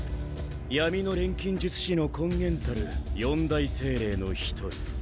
闇の錬金術師の根源たる四大精霊の１人。